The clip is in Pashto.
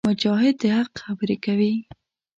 مجاهد د حق خبرې کوي.